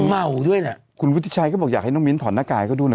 เหมาด้วยเนี้ยคุณวิทชาติก็บอกอยากให้น้องมิ้นถอนหน้ากากให้เขาดูหน่อย